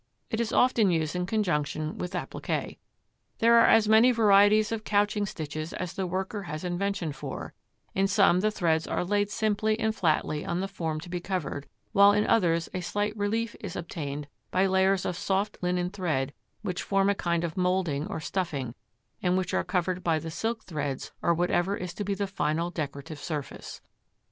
It is often used in conjunction with appliqué. There are as many varieties of couching stitches as the worker has invention for; in some the threads are laid simply and flatly on the form to be covered, while in others a slight relief is obtained by layers of soft linen thread which form a kind of moulding or stuffing, and which are covered by the silk threads or whatever is to be the final decorative surface.